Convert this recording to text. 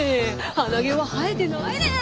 鼻毛は生えてないねん！